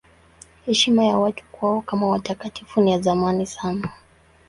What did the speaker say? Heshima ya watu kwao kama watakatifu ni ya zamani sana.